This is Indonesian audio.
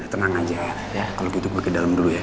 tenang aja kalau gitu gue ke dalam dulu ya